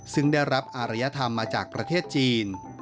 ซึ่งได้รับอารยธรรมมาจากประเทศจีน